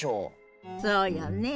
そうよね。